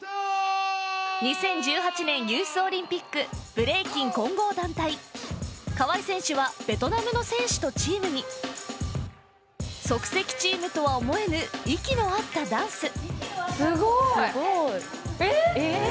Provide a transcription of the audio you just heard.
２０１８年ユースオリンピックブレイキン混合団体河合選手はベトナムの選手とチームに即席チームとは思えぬ息の合ったダンスすごい！えっ？